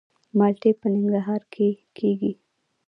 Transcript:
مالټې په ننګرهار کې کیږي